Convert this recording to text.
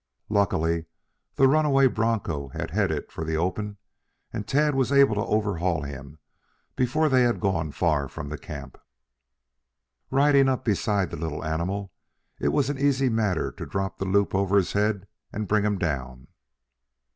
Luckily the runaway broncho had headed for the open and Tad was able to overhaul him before they had gone far from the camp. Riding up beside the little animal it was an easy matter to drop the loop over his head and bring him down.